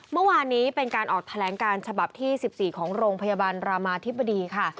เมื่อวานนี้เป็นการออกแถลงการฉบับที่๑๔ของโรงพยาบาลรามาธิบดีค่ะ